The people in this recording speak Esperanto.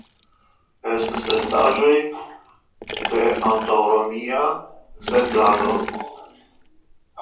Estas restaĵoj de antaŭromia setlado.